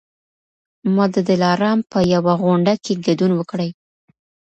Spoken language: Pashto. ما د دلارام په یوه غونډه کي ګډون وکړی